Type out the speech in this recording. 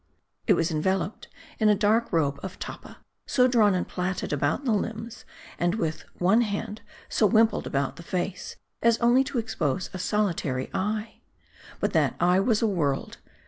It was enveloped in a dark robe of tappa, so drawn and plaited about the limbs ; and with one hand, so wimpled about the face, as only to expose a solitary eye. But that eye was a world.